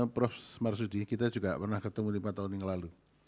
prof marsudi kita juga pernah ketemu lima tahun yang lalu